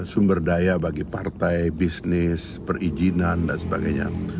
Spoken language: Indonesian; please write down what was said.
sumber daya bagi partai bisnis perizinan dan sebagainya